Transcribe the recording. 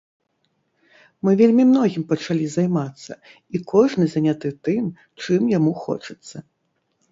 Мы вельмі многім пачалі займацца, і кожны заняты тым, чым яму хочацца.